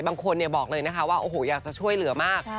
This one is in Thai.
บางคนบอกเลยนะคะว่าโอ้โหอยากจะช่วยเหลือมาก